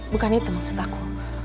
bukan itu maksud aku